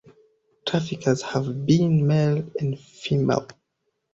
Traffickers have been male and female.